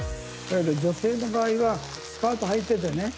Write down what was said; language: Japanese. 女性の場合はスカートはいてたらね